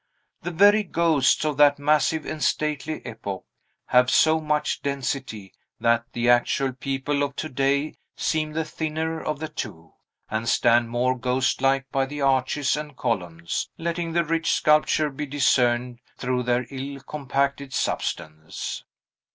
The very ghosts of that massive and stately epoch have so much density that the actual people of to day seem the thinner of the two, and stand more ghost like by the arches and columns, letting the rich sculpture be discerned through their ill compacted substance.